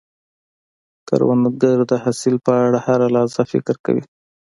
کروندګر د حاصل په اړه هره لحظه فکر کوي